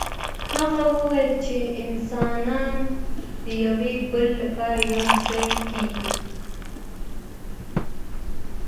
هغه وايي چي انسانان د يو بل لپاره يو ځای کيږي.